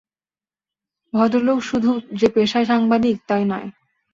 ভদ্রলোক শুধু যে পেশায় সাংবাদিক তাই নয়।